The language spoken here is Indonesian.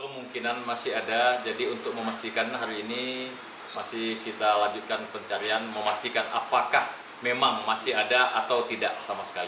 mungkinan masih ada jadi untuk memastikan hari ini masih kita lanjutkan pencarian memastikan apakah memang masih ada atau tidak sama sekali